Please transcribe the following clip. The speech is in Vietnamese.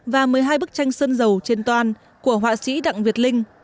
và một mươi hai bức tranh sơn dầu trên toàn của họa sĩ đặng việt linh